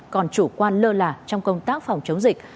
còn chủ quan lơ là trong công tác phòng chống dịch